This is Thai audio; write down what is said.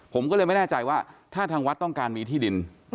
ผมก็เลยไม่แน่ใจว่าถ้าทางวัดต้องการมีที่ดิน